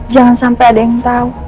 jangan sampai ada yang tahu